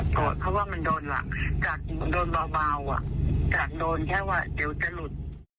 กลัวเพราะว่ามันโดนล่ะจัดโดนเมาจัดโดนแค่ว่าเดี๋ยวจะหลุด